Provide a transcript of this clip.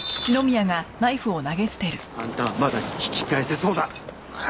あんたはまだ引き返せそうだ。